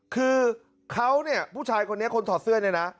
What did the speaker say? คือเขาเนี่ยผู้ชายคนนี้คนถอดเสื้อเนี่ยนะ